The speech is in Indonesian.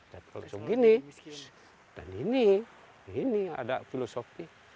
dan kalau seperti ini dan ini ini ada filosofi